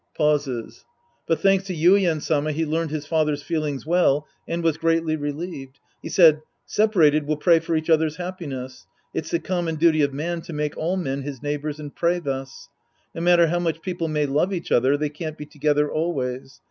(Pauses.) But thanks to Yuien Sama, he learned his father's feelings well and was greatly relieved. He said, " Separated, we'll pray for each other's happiness ; it's the common duty of man to make all men his neighbors and pray thus. No matter how much people may love each other, they can't be together always.